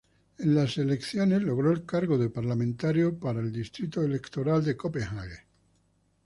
En las logró el cargo de parlamentario para el distrito electoral de Copenhague.